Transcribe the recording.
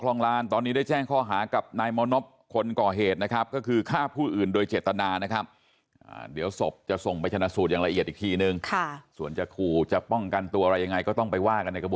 ก็ยังมาทุบกอดทุบแม่อยู่เรื่อยแล้ว